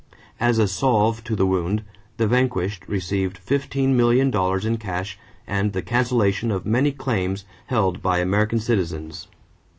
As a salve to the wound, the vanquished received fifteen million dollars in cash and the cancellation of many claims held by American citizens.